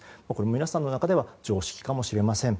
皆さんの中では常識かもしれません。